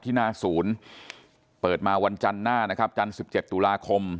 หน้าศูนย์เปิดมาวันจันทร์หน้านะครับจันทร์๑๗ตุลาคม